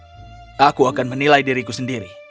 menawan yang mulia aku akan menilai diriku sendiri astaga